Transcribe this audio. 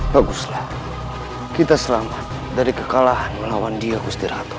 baguslah kita selamat dari kekalahan melawan dia gusti ratu